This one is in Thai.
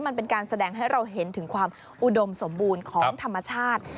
มันเป็นการแสดงให้เราเห็นถึงความอุดมสมบูรณ์ของธรรมชาติ